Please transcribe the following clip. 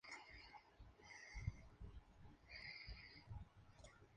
Adam Jensen regresa como protagonista principal.